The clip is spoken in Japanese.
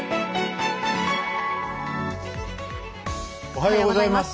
おはようございます。